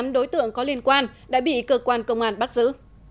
tám đối tượng có liên quan đã bị cơ quan công an bắt giữ